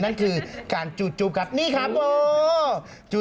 นั่นคือการจูบครับนี่ครับโอ้